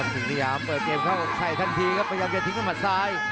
ศิริยาเปิดเกมเข้าใส่ทันทีครับพยายามจะทิ้งด้วยหมัดซ้าย